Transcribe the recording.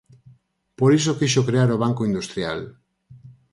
Por iso quixo crear o Banco Industrial.